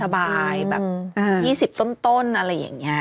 สบายแบบ๒๐ต้นอะไรอย่างนี้